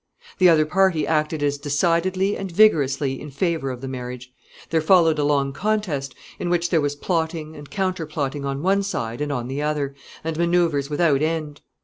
The other party acted as decidedly and vigorously in favor of the marriage. There followed a long contest, in which there was plotting and counterplotting on one side and on the other, and manoeuvres without end.